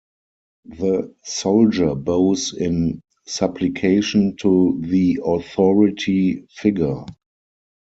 The soldier bows in supplication to the authority figure.